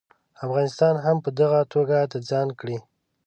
افغانستان هم په دغه توګه د ځان کړي.